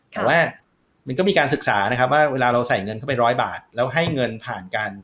แต่ว่ามันก็มีการศึกษานะครับว่าเวลาเราใส่เงินเข้าไปร้อยบาทแล้วให้เงินผ่านกัน